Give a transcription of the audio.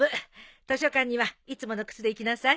図書館にはいつもの靴で行きなさい。